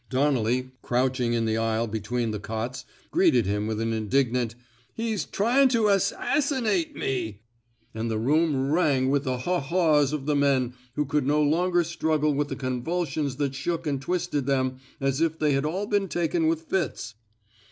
Donnelly, crouching in the aisle between the cots, greeted him with an in dignant He's tryin' to ass a55 inate mel '' And the room rang with the haw haws of the men who could no longer struggle with the convulsions that shook and twisted them as if they had all been taken with fits.